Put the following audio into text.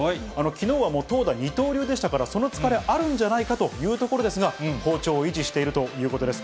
きのうはもう投打二刀流でしたから、その疲れ、あるんじゃないかというところですが、好調を維持しているということです。